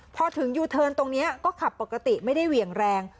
พอถึงยูเทิร์นตรงนี้ก็ขับปกติไม่ได้เหวี่ยงแรง